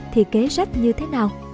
thì kế sách như thế nào